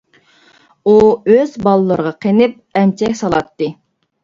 ئۇ ئۆز بالىلىرىغا قېنىپ ئەمچەك سالاتتى.